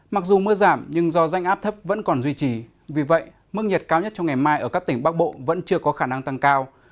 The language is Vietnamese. mặc dù mưa giảm nhưng do danh áp thấp vẫn còn duy trì vì vậy mức nhiệt cao nhất trong ngày mai ở các tỉnh bắc bộ vẫn chưa có khả năng tăng cao